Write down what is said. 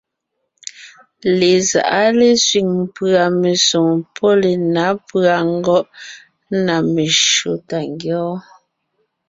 Lezáʼa lésẅiŋ pʉ̀a mesoŋ pɔ́ lenǎ pʉ̀a ngɔ́ʼ na meshÿó tà ńgyɔ́ɔn.